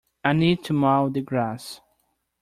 I need to mow the grass.